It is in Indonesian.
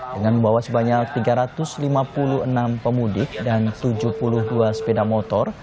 dengan membawa sebanyak tiga ratus lima puluh enam pemudik dan tujuh puluh dua sepeda motor